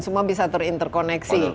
semua bisa ter interkoneksi